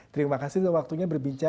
terima kasih untuk waktunya berbincang